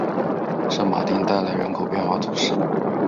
圣马丁代来人口变化图示